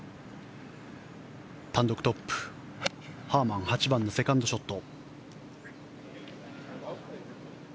単独トップ、ハーマン８番のセカンドショット。